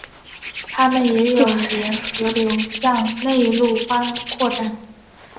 它们也有沿河流向内陆扩展。